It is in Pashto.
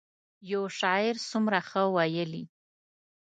یو شاعر څومره ښه ویلي.